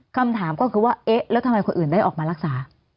คำถามก็คือว่าเอ๊ะแล้วทำไมคนอื่นได้ออกมารักษา